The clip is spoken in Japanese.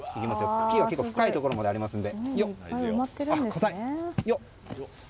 茎が結構深いところまでありますので。